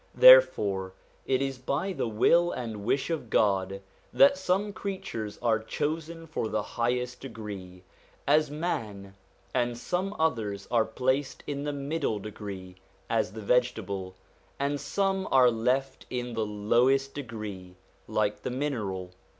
Therefore it is by the will and wish of God that some creatures are chosen for the highest degree, as man, and some others are placed in the middle degree as the vegetable, and some are left in the lowest degree like the mineral.